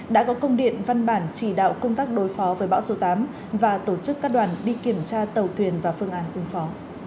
đã có công điện văn bản chỉ đạo công tác đối phó với bão số tám và tổ chức các đoàn đi kiểm tra tàu thuyền và phương án ứng phó